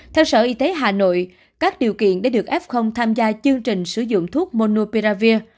theo sở y tế hà nội các điều kiện để được f tham gia chương trình sử dụng thuốc monoperavir